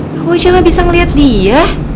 kamu juga gak bisa ngeliat dia